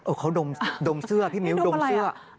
เขาดมเสื้อพี่มิ้วดมเสื้อ